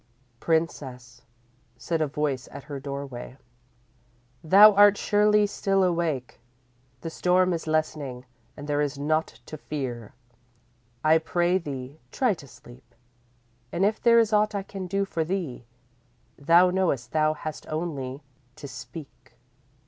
"_ _"Princess," said a voice at her doorway, "thou art surely still awake. The storm is lessening and there is naught to fear. I pray thee, try to sleep. And if there is aught I can do for thee, thou knowest thou hast only to speak."